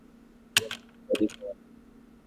তুমি কোথায় থাকো, নিকোল?